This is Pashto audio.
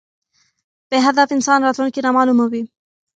بی هدف انسان راتلونکي نامعلومه وي